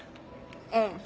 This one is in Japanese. うん。